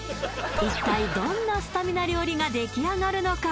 一体どんなスタミナ料理ができあがるのか？